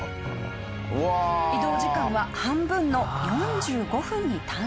移動時間は半分の４５分に短縮。